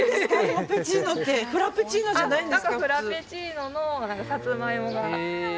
フラペチーノじゃないんですか。